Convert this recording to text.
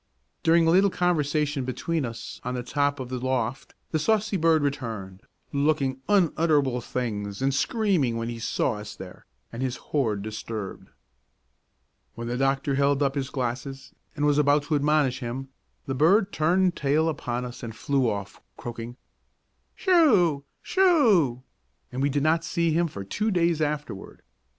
During a little conversation between us on the top of the loft the saucy bird returned, looking unutterable things and screaming when he saw us there and his hoard disturbed. When the doctor held up his glasses, and was about to admonish him, the bird turned tail upon us and flew off, croaking "Sho! Sho!" and we did not see him for two days afterward.